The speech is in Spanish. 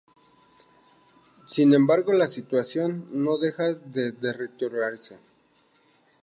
Sin embargo, la situación no dejaba de deteriorarse.